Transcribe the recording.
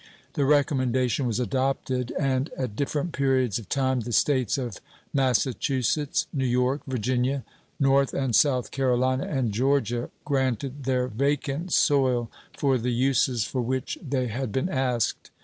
The recommendation was adopted, and at different periods of time the States of Massachusetts, New York, Virginia, North and South Carolina, and Georgia granted their vacant soil for the uses for which they had been asked.